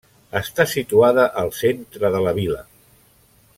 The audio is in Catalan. Està situada al centre de la vila.